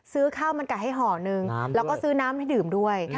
ซื้อข้าวมันไก่ให้ห่อนึงแล้วก็ซื้อน้ำให้ดื่มด้วย